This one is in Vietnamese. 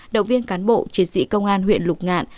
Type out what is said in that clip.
động viên cán bộ chiến sĩ công an huyện lục ngạn